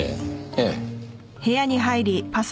ええ。